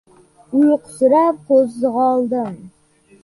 Uyqusirab, qo‘zg‘oldim.